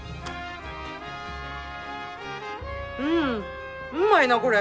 うんうまいなこれ。